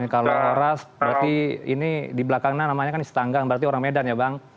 kalau ras berarti ini di belakangnya namanya kan istanggang berarti orang medan ya bang